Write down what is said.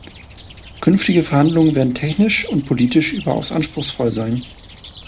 Künftige Verhandlungen werden technisch und politisch überaus anspruchsvoll sein.